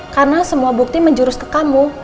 karena semua bukti menjurus ke kamu